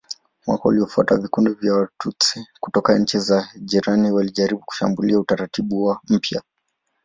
Mwaka uliofuata vikundi vya Watutsi kutoka nchi hizi za jirani walijaribu kushambulia utaratibu mpya.